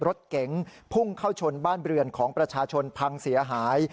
รถเก๋งพุ่งเข้าชนบ้านเรือนของประชาชนพังเสียหาย